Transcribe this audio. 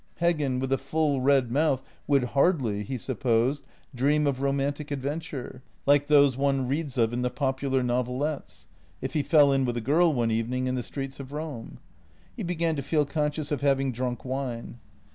Heggen with the full, red mouth would hardly — he supposed — dream of romantic adventure, like those one reads of in the popular novelettes, if he fell in with a girl one evening in the streets of Rome. He began to feel conscious of having drunk wine.